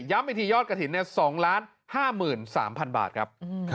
ย้ำอีกทียอดกฐินเนี่ย๒๐๕๓๐๐๐บาทครับ